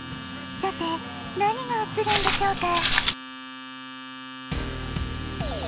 さてなにがうつるんでしょうか。